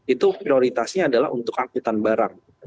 itu prioritasnya adalah untuk angkutan barang